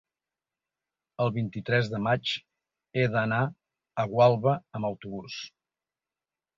el vint-i-tres de maig he d'anar a Gualba amb autobús.